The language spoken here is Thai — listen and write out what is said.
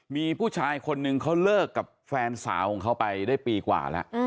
มีผู้ชายคนนึงเขาเลิกกับแฟนสาวของเขาไปได้ปีกว่าแล้ว